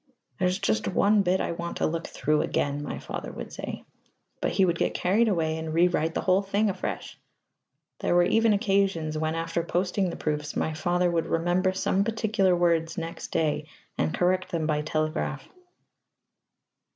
"There's just one bit I want to look through again," my father would say; but he would get carried away and rewrite the whole thing afresh. There were even occasions when, after posting the Proofs, my father would remember some particular words next day and correct them by telegraph.